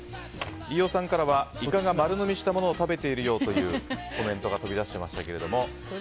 飯尾さんからはイカが丸のみしたものを食べているようというコメントが飛び出していましたが。